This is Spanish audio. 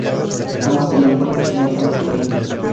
Ambas tenían puertas y ventanas pequeñas.